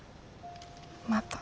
また。